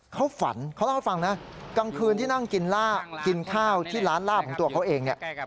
เขาฝันเขาเล่าให้ฟังนะกลางคืนที่นั่งกินข้าวที่ร้านลาบของตัวเขาเองเนี่ย